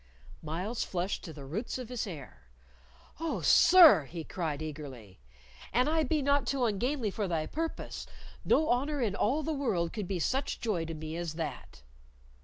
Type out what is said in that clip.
Myles flushed to the roots of his hair. "Oh, sir!" he cried, eagerly, "an I be not too ungainly for thy purpose, no honor in all the world could be such joy to me as that!"